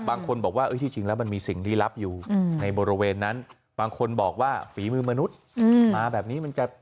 บางคนบอกว่าที่จริงแล้วมันมีสิ่งลี้ลับอยู่ในบริเวณนั้นบางคนบอกว่าฝีมือมนุษย์มาแบบนี้มันจะ